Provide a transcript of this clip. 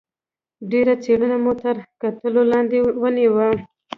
ډېره څېړنه مو تر کتلو لاندې ونیوه.